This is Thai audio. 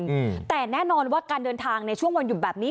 อืมแต่แน่นอนว่าการเดินทางในช่วงวันหยุดแบบนี้